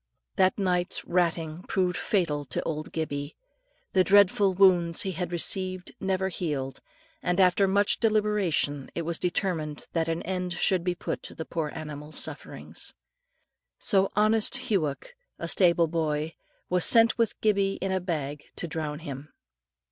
That night's ratting proved fatal to old Gibbie. The dreadful wounds he had received never healed, and after much deliberation it was determined that an end should be put to the poor animal's sufferings. So honest Hughoc, the stable boy, was sent with Gibbie in a bag to drown him.